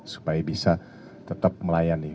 supaya bisa tetap melayani